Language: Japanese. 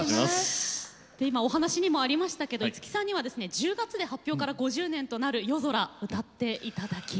今お話にもありましたけど五木さんにはですね１０月で発表から５０年となる「夜空」を歌っていただきます。